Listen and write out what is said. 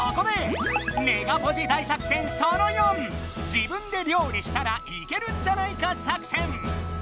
「自分で料理したらいけるんじゃないか作戦」！